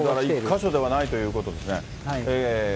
１か所ではないということですね。